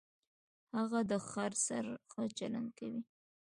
هغه د خر سره ښه چلند کاوه.